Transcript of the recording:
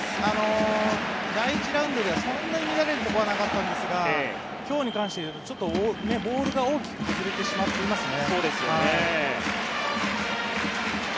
１次ラウンドではそんなに乱れるところはなかったんですが今日に関して言うとちょっとボールが大きく外れてしまってますね。